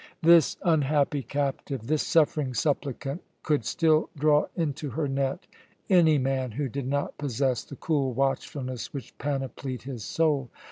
This unhappy captive, this suffering supplicant, could still draw into her net any man who did not possess the cool watchfulness which panoplied his soul.